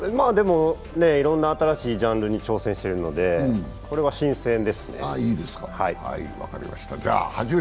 いろんな新しいジャンルに挑戦していますので、それは新鮮ですね、はい。